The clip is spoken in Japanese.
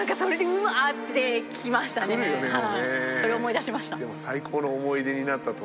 それを思い出しました。